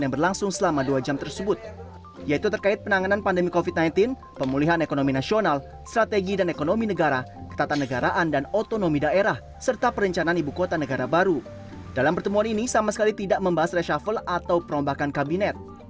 yang mengundang adalah bapak presiden